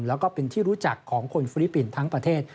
แล้วก็เป็นที่รู้จักของคนฟิลิปปินส์ทั้งประเทศ